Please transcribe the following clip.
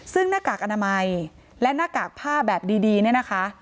ซึ่งหน้ากากอนามัยและหน้ากากผ้าแบบดีเนี่ยนะคะ